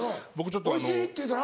「おいしい」って言うたら？